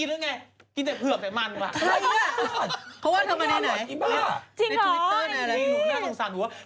หนูน่าสงสารถูกบอก